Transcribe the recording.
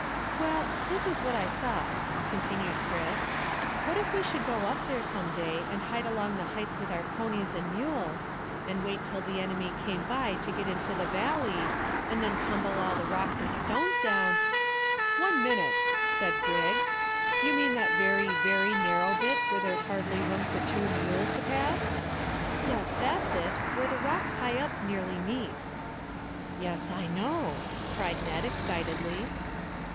"Well, this is what I thought," continued Chris, "that if we could go up there some day and hide along the heights with our ponies and mules, and wait till the enemy came by to get into the valley, and then tumble all the rocks and stones down " "One minute," said Griggs. "You mean that very, very narrow bit where there's hardly room for two mules to pass?" "Yes, that's it; where the rocks high up nearly meet." "Yes, I know," cried Ned excitedly.